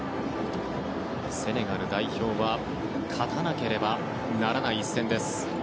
セネガル代表は勝たなければならない一戦です。